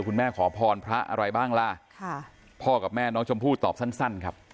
ขอพรพระอะไรบ้างล่ะค่ะพ่อกับแม่น้องชมพู่ตอบสั้นครับ